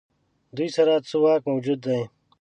دوی سره څه واک موجود دی.